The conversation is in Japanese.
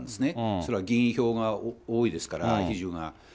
それは議員票が多いですから、比重が。